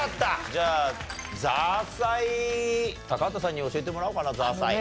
じゃあザーサイ高畑さんに教えてもらおうかなザーサイ。